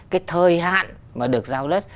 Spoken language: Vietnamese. cái thời hạn mà được giao đất